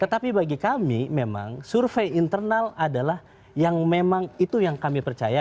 tetapi bagi kami memang survei internal adalah yang memang itu yang kami percaya